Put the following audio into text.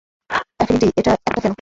Affinity একটা কেন?